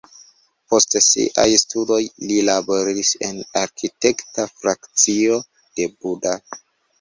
Post siaj studoj li laboris en arkitekta frakcio de Buda.